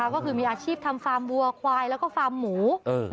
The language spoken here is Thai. ก็คือมีอาชีพทำฟาร์มวัวควายแล้วก็ฟาร์มหมู